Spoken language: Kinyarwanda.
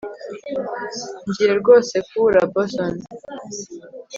Ngiye rwose kubura Boston